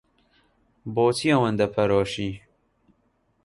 بۆچی ئەوەندە پەرۆشی؟